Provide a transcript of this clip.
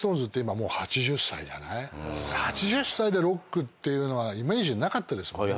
８０歳でロックっていうのはイメージなかったですもんね